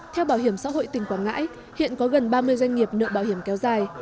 theo bảo hiểm xã hội tỉnh quảng ngãi hiện có gần ba mươi doanh nghiệp nợ bảo hiểm kéo dài